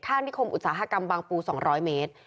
ข้างที่คมอุตสาหกรรมบางปู๒๐๐เมตร